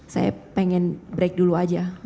saya pengen break dulu aja